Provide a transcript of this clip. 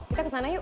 kita kesana yuk